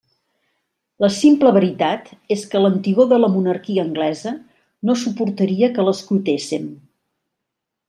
La simple veritat és que l'antigor de la monarquia anglesa no suportaria que l'escrutéssem.